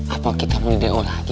apa kita meneleon lagi